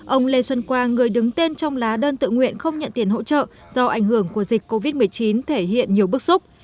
ông lê xuân quang người đứng tên trong lá đơn tự nguyện không nhận tiền hỗ trợ do ảnh hưởng của dịch covid một mươi chín thể hiện nhiều bức xúc